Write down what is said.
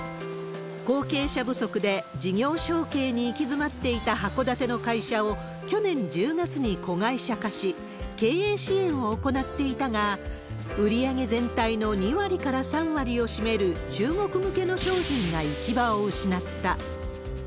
後継者不足で事業承継に行き詰っていた函館の会社を去年１０月に子会社化し、経営支援を行っていたが、売り上げ全体の２割から３割を占める中国向けの商品が行き場を失った。